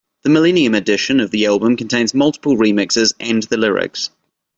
The millennium edition of the album contains multiple remixes and the lyrics.